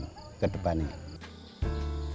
kita harus belajar untuk memperbaiki keadaan kita